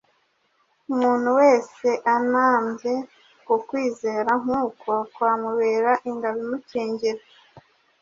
Umuntu wese anambye ku kwizera nk’uko, kwamubera ingabo imukingira.